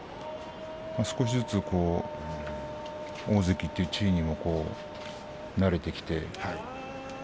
少しずつ大関という地位にも慣れてきて。